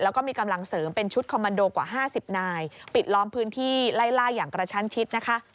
แล้วก็มีกำลังเสริมเป็นชุดคอมมันโดกว่า๕๐นายปิดล้อมพื้นที่ไล่ล่าอย่างกระชั้นชิดนะคะ